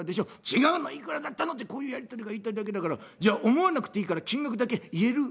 違うのいくらだったのってこういうやり取りが言いたいだけだからじゃ思わなくていいから金額だけ言える？」。